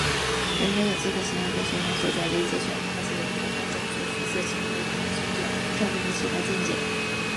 人人有资格享有本宣言所载的一切权利和自由,不分种族、肤色、性别、语言、宗教、政治或其他见解、国籍或社会出身、财产、出生或其他身分等任何区别。